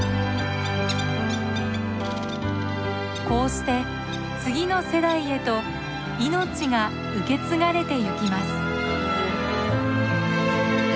こうして次の世代へと命が受け継がれてゆきます。